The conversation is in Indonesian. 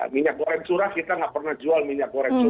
minyak goreng surah kita tidak pernah jual minyak goreng surah